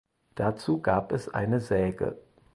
Dazu gab es eine Säge.